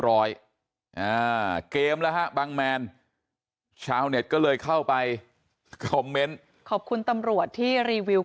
ร้อยเกมแล้วบังแมนชาวเน็ตก็เลยเข้าไปขอบคุณตำรวจที่รีวิว